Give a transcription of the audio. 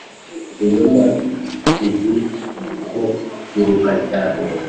Inuma izikuguruka cyane.